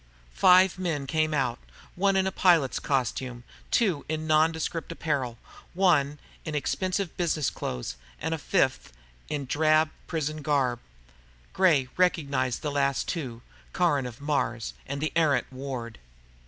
Five men came out one in pilot's costume, two in nondescript apparel, one in expensive business clothes, and the fifth in dark prison garb. Gray recognized the last two. Caron of Mars and the errant Ward.